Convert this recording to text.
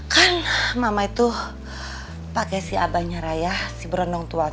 kan mama itu pakai si abahnya raya si berenang tua